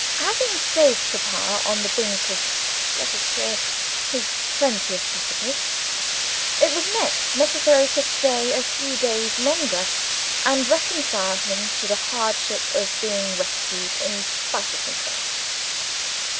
Having saved Papa on the brink of let us say, his twentieth precipice, it was next necessary to stay a few days longer and reconcile him to the hardship of being rescued in spite of himself.